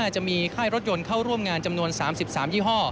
จะมีค่ายรถยนต์เข้าร่วมงานจำนวน๓๓ยี่ห้อ